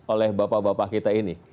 oleh bapak bapak kita ini